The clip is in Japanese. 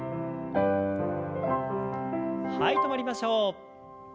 はい止まりましょう。